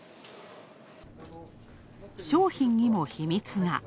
商品にも秘密が。